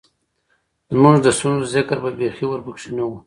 زمونږ د ستونزو ذکــــــر به بېخي ورپکښې نۀ وۀ